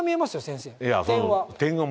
先生点は。